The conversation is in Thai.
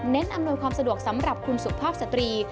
อำนวยความสะดวกสำหรับคุณสุภาพสตรี